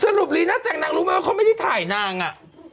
สรุปนี้นาจังนางรู้มั้ยว่าเขาไม่ได้ถ่ายนางอะ